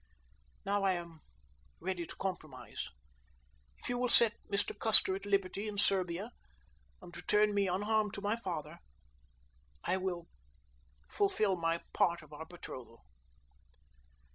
Now I am ready to compromise. If you will set Mr. Custer at liberty in Serbia and return me unharmed to my father, I will fulfill my part of our betrothal."